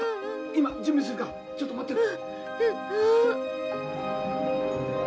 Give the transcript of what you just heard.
今準備するからちょっと待ってろ！